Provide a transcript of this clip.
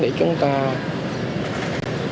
để chúng ta có những kịch bản